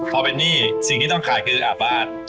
พอเป็นหนี้สิ่งที่ต้องขายคืออาบบ้าน